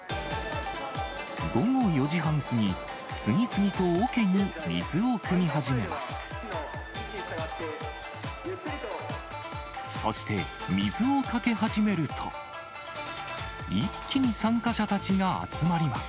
午後４時半過ぎ、次々とおけに水をくみ始めます。